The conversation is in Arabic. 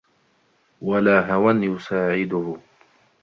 وَلَا هَوًى يُسَاعِدُهُ